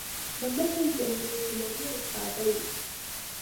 د متل جملې هنري او ساده وي